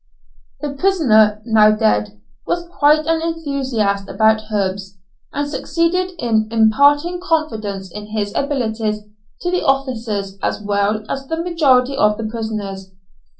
This prisoner (now dead) was quite an enthusiast about herbs, and succeeded in imparting confidence in his abilities to the officers as well as the majority of the prisoners.